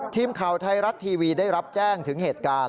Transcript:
ทีมข่าวไทยรัฐทีวีได้รับแจ้งถึงเหตุการณ์